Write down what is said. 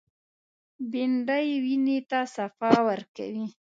بېنډۍ وینې ته صفا ورکوي